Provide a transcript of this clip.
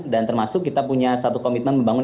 dan termasuk kita punya satu komitmen membangun